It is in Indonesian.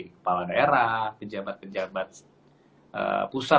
kepala daerah pejabat pejabat pusat